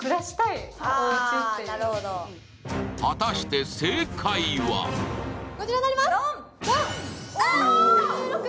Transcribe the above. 果たして、正解はこちらになります、ドン。